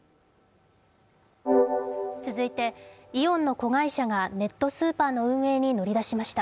続いて、イオンの子会社がネットスーパーの運営に乗り出しました。